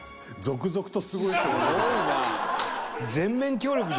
すごいな。